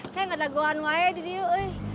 saya tidak ada keuangan lagi